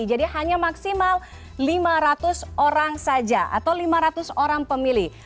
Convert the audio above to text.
jadi hanya maksimal lima ratus orang saja atau lima ratus orang pemilih